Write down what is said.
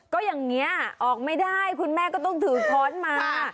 ก็อย่างนี้ออกไม่ได้คุณแม่ก็ต้องถือค้อนมา